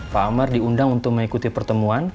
pak amar diundang untuk mengikuti pertemuan